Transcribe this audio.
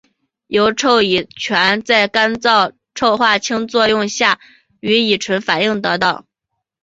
由溴乙醛在干燥溴化氢作用下与乙醇反应得到。